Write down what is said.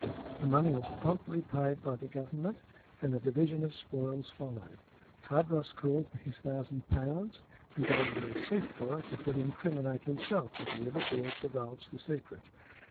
The money was promptly paid by the Government and the division of spoils followed. Tadros called for his thousand pounds and gave a receipt for it that would incriminate himself if he ever dared divulge the secret.